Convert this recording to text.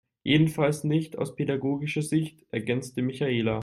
Jedenfalls nicht aus pädagogischer Sicht, ergänzte Michaela.